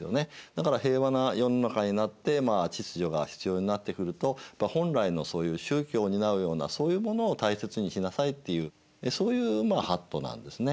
だから平和な世の中になって秩序が必要になってくると本来のそういう宗教を担うようなそういうものを大切にしなさいっていうそういうまあ法度なんですね。